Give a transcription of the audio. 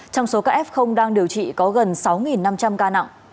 trong số các f đang điều trị có gần sáu năm trăm linh ca nặng